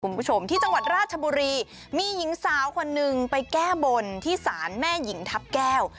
คุณผู้ชมที่จังหวัดราชบุรีมีหญิงสาวคนนึงไปแก้บนที่ศาลแม่หญิงทัพแก้ว